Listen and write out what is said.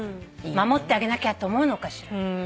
守ってあげなきゃと思うのかしら。